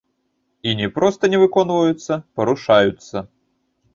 І не проста не выконваюцца, парушаюцца.